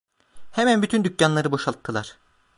Hemen bütün dükkanları boşalttılar.